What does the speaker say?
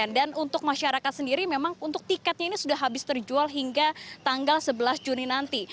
dan untuk masyarakat sendiri memang untuk tiketnya ini sudah habis terjual hingga tanggal sebelas juni nanti